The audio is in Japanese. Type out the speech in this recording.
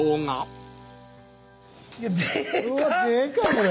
これ。